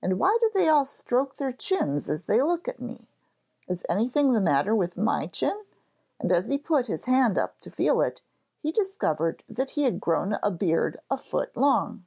And why do they all stroke their chins as they look at me? Is anything the matter with my chin?' and as he put his hand up to feel it, he discovered that he had grown a beard a foot long.